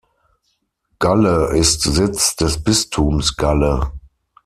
Galle ist Sitz des Bistums Galle.